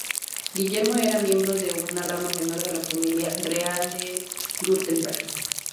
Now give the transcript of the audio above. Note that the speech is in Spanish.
Guillermo era miembro de una rama menor de la familia real de Wurtemberg.